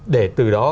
để từ đó